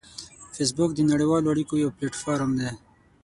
فېسبوک د نړیوالو اړیکو یو پلیټ فارم دی